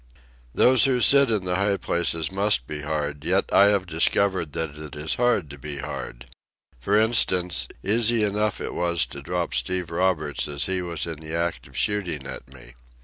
Those who sit in the high places must be hard, yet have I discovered that it is hard to be hard. For instance, easy enough was it to drop Steve Roberts as he was in the act of shooting at me.